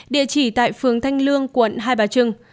địa chỉ tại phường thanh lương quận hai bà trưng